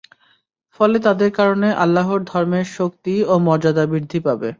ফলে তাদের কারণে আল্লাহর ধর্মের শক্তি ও মর্যাদা বৃদ্ধি পাবে।